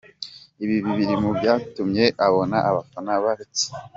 Ibi biri mu byatumye abona abafana bake.